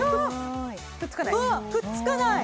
くっつかない？